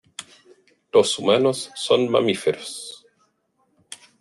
Los humanos son mamíferos.